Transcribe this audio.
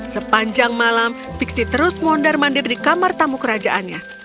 sepanjang malam pixi terus mondar mandir di kamar tamu kerajaannya